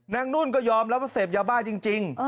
นุ่นก็ยอมรับว่าเสพยาบ้าจริง